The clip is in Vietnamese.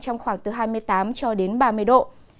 trong khoảng từ hai mươi bốn cho đến hai mươi sáu độ